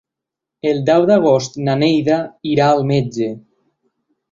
El deu d'agost na Neida irà al metge.